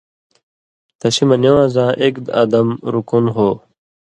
تسی مہ نِوان٘زاں ایک ادم (رُکُن) ہو